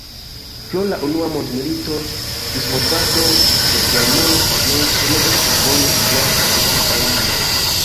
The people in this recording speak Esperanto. Pro la Unua mondmilito, disvolvado de germana scienco ne estis bone sciata en Anglio.